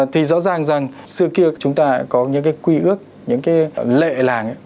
thì rõ ràng rằng xưa kia chúng ta có những cái quy ước những cái lệ làng